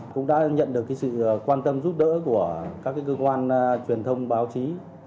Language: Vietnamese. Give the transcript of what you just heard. cũng đã nhận được sự quan tâm giúp đỡ của các cơ quan truyền thông báo chí